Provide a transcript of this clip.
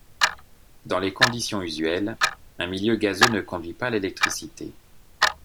Dans les conditions usuelles, un milieu gazeux ne conduit pas l’électricité.